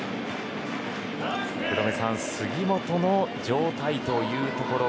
福留さん杉本の状態というところ